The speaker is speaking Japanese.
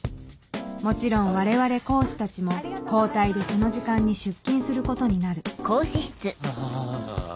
もちろん我々講師たちも交代でその時間に出勤することになるあぁ。